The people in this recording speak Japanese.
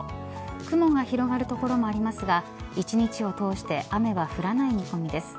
雲が広がる所もありますが一日をとおして雨は降らない見込みです。